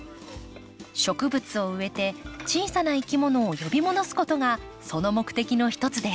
植物を植えて小さないきものを呼び戻すことがその目的のひとつです。